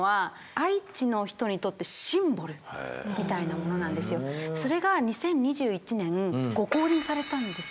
もうあのそれが２０２１年ご降臨されたんです。